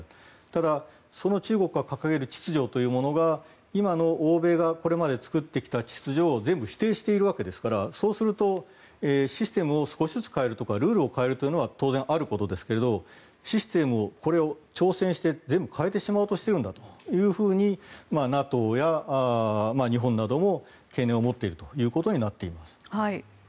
ただ、その中国が掲げる秩序というものが今の欧米がこれまで作ってきた秩序を全部否定しているわけですからそうするとシステムを少しずつ変えるとかルールを変えるというのは当然あることですけどシステムを調整して全部変えてしまおうとしているんだというふうにＮＡＴＯや日本なども懸念を持っているということです。